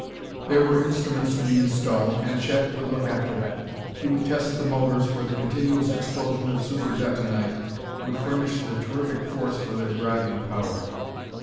There were instruments to be installed, and Chet would look after that. He would test the motors where the continuous explosion of super detonite would furnish the terrific force for their driving power.